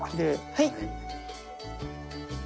はい！